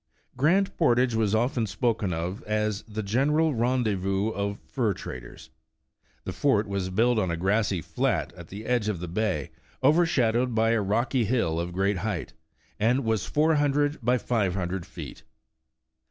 Grand Portage was often spoken of as "the general rendezvous of the fur traders. '' The fort was built on a grassy flat at the edge of the bay, overshadowed by a rocky hill of great height, and was four hundred by five hundred feet.